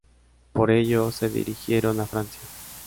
Por ello, se dirigieron a Francia.